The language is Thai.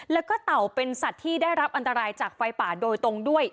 แล้วก็เต่าเป็นสัตว์ที่ได้รับอันตรายจากไฟป่าโดยตรงด้วย